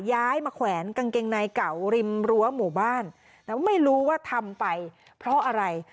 ย้ายมาแขวนกางเกงในเก่าริมรั้วหมู่บ้านแล้วไม่รู้ว่าทำไปเพราะอะไร